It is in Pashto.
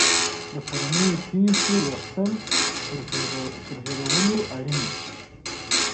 د پرونيو پېښو لوستل تر هېرولو يې اړين دي.